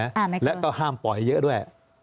อ้าวไม่เกินแล้วก็ห้ามปล่อยเยอะด้วย